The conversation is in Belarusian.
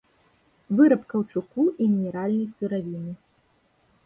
Выраб каўчуку і мінеральнай сыравіны.